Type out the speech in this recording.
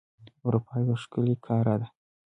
اروپا یو ښکلی قاره ده.